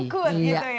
nyangkut gitu ya